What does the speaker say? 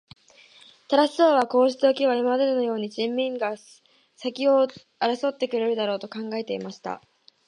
タラス王はこうしておけば、今までのように人民たちが先を争って来るだろう、と考えていました。